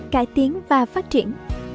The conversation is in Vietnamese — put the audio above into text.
cải tiến và phát triển